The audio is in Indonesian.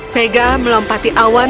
vega melompat ke dalam rumah